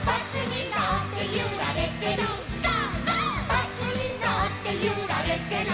「バスにのってゆられてる」